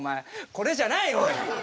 これじゃない方や！